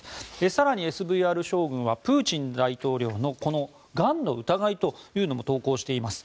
更にＳＶＲ将軍はプーチン大統領のがんの疑いというのも投稿しています。